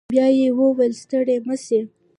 بيا يې وويل ستړي مه سئ.